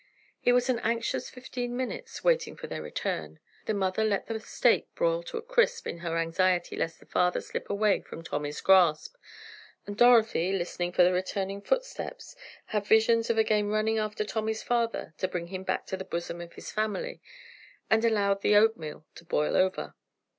It was an anxious fifteen minutes waiting for their return. The mother let the steak broil to a crisp in her anxiety lest the father slip away from Tommy's grasp, and Dorothy, listening for the returning footsteps, had visions of again running after Tommy's father to bring him back to the bosom of his family, and allowed the oatmeal to boil over.